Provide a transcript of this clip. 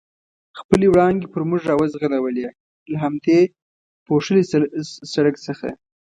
خپلې وړانګې پر موږ را وځلولې، له همدې پوښلي سړک څخه.